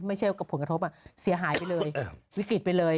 ไม่ใช่กับผลกระทบเสียหายไปเลยวิกฤตไปเลย